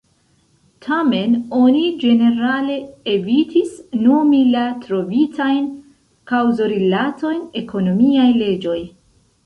Tamen oni ĝenerale evitis nomi la trovitajn kaŭzorilatojn ekonomiaj leĝoj.